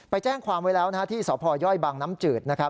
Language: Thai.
ไปแจ้งความไว้แล้วที่ศพย่อยบางน้ำจืด